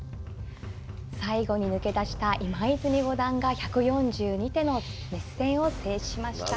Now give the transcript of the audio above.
最後に抜け出した今泉五段が１４２手の熱戦を制しました。